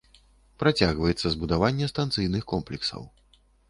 Працягваецца збудаванне станцыйных комплексаў.